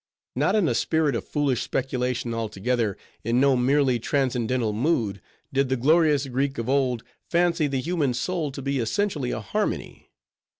Not in a spirit of foolish speculation altogether, in no merely transcendental mood, did the glorious Greek of old fancy the human soul to be essentially a harmony.